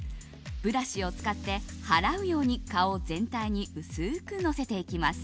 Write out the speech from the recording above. ブラシを使って払うように顔全体に薄くのせていきます。